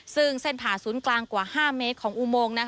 ซึ่งเส้นผ่าศูนย์กลางกว่า๕เมตรของอุโมง